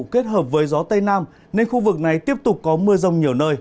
kết hợp với gió tây nam nên khu vực này tiếp tục có mưa rông nhiều nơi